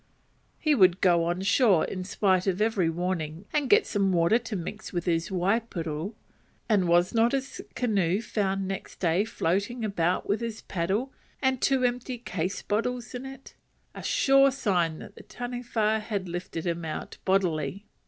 He would go on shore, in spite of every warning, to get some water to mix with his waipiro; and was not his canoe found next day floating about with his paddle and two empty case bottles in it? a sure sign that the Taniwha had lifted him out bodily.